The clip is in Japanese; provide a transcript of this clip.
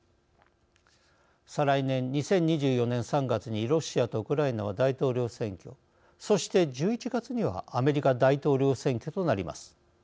再来年２０２４年３月にロシアとウクライナは大統領選挙そして、１１月にはアメリカ大統領選挙となります。